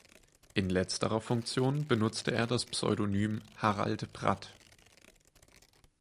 In letzterer Funktion benutzte er das Pseudonym "Harald Bratt".